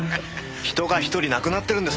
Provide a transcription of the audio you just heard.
人が一人亡くなってるんです。